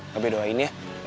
kabe doain ya